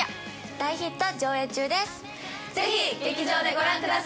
大ヒット上映中です。